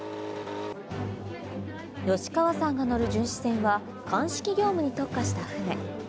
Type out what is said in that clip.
吉川さんが乗る巡視船は鑑識業務に特化した船。